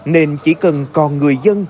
nên chỉ cần còn người dân